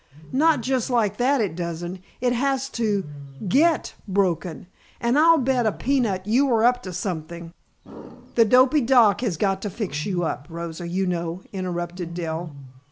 "Not just like that, it doesn't. It has to get broken, and I'll bet a peanut you were up to something " "The dopy doc has got to fix you up, Rosa, you know," interrupted Dell.